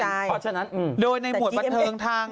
เพราะฉะนั้นโดยในหมวดบันเทิงทาง